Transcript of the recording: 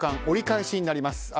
折り返しになります。